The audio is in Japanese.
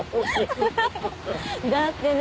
だってね